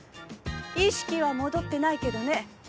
意識は戻ってないけどね。